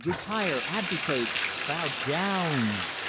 Retire! Abdicate! Bow down n n n n!